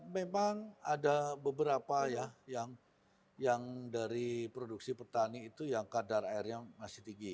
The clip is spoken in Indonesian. memang ada beberapa ya yang dari produksi petani itu yang kadar airnya masih tinggi